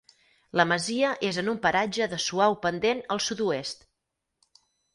La masia és en un paratge de suau pendent al sud-oest.